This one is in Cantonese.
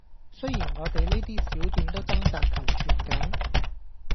雖然我哋呢啲小店都掙扎求存緊